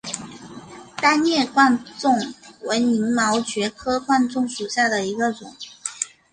单叶贯众为鳞毛蕨科贯众属下的一个种。